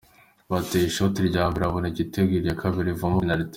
Bateye ishoti ya mbere babona igitego, iya kabiri ivamo penaliti.